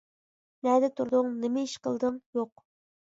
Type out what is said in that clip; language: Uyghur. نەدە تۇردۇڭ؟ نېمە ئىش قىلدىڭ؟ يوق.